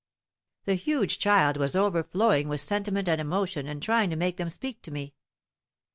The huge child was overflowing with sentiment and emotion, and trying to make them speak to me.